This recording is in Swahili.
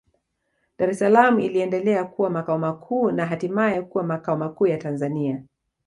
Dar es Salaam iliendelea kuwa makao makuu na hatimaye kuwa makao makuu ya Tanzania